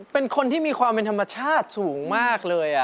เป็นคนที่มีความเป็นธรรมชาติสูงมากเลย